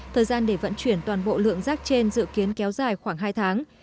thời gian để vận chuyển toàn bộ lượng rác trên dự kiến kéo dài khoảng hai tháng